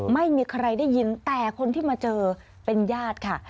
ไม่มีใครได้ยินแต่คนที่มาเจอเป็นญาติค่ะ